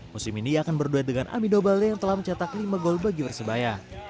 musim ini akan berduet dengan amido bale yang telah mencetak lima gol bagi persebaya